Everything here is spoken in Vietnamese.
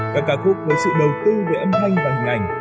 các ca khúc với sự đầu tư về âm thanh và hình ảnh